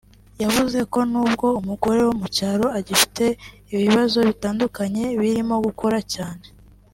yavuze ko n'ubwo umugore wo mu cyaro agifite ibibazo bitandukanye birimo gukora cyane